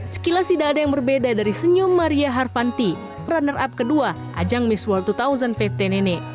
sekilas tidak ada yang berbeda dari senyum maria harvanti runner up kedua ajang miss world dua ribu lima belas ini